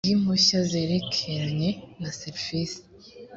bw impushya zerekeranye na serivisi